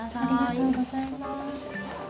ありがとうございます。